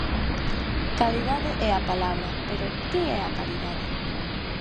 Calidade é a palabra, pero, ¿que é a calidade?